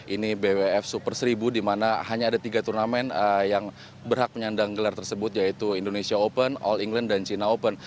ini bwf super seribu di mana hanya ada tiga turnamen yang berhak menyandang gelar tersebut yaitu indonesia open all england dan china open